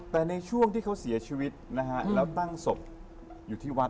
แต่ในช่วงที่เขาเสียชีวิตนะฮะแล้วตั้งศพอยู่ที่วัด